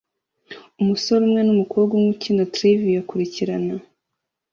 Umusore umwe numukobwa umwe ukina Trivia Kurikirana